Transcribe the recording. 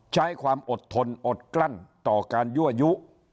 ใช้ความอดทนอดกลั้นต่อการยั่วยุ